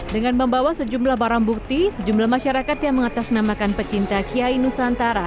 dengan membawa sejumlah barang bukti sejumlah masyarakat yang mengatasnamakan pecinta kiai nusantara